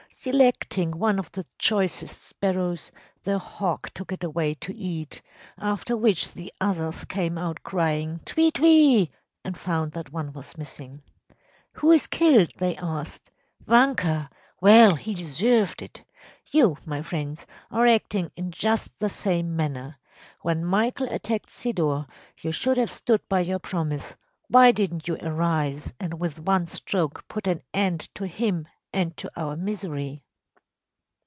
Selecting one of the choicest sparrows, the hawk took it away to eat, after which the others came out crying, ‚ÄėTwee twee!’ and found that one was missing. ‚ÄėWho is killed?’ they asked. ‚ÄėVanka! Well, he deserved it.’ You, my friends, are acting in just the same manner. When Michael attacked Sidor you should have stood by your promise. Why didn’t you arise, and with one stroke put an end to him and to our misery?